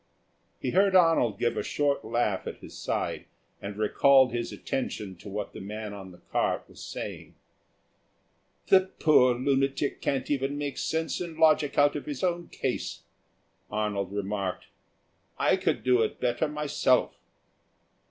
He heard Arnold give a short laugh at his side, and recalled his attention to what the man on the cart was saying. "The poor lunatic can't even make sense and logic out of his own case," Arnold remarked. "I could do it better myself."